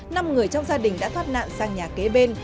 năm người trong gia đình đã thoát nạn sang nhà kế bên